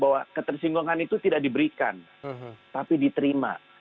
bahwa ketersinggungan itu tidak diberikan tapi diterima